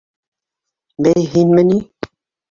Бәй, һинме ни?